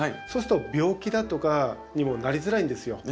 そうすると病気だとかにもなりづらいんですよ。